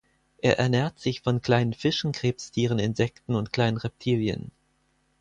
Er ernährt sich von kleinen Fischen, Krebstieren, Insekten und kleinen Reptilien.